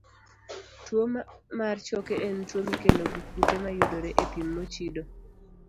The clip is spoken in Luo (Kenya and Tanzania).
Tuwo mar choke en tuwo mikelo gi kute mayudore e pi mochido.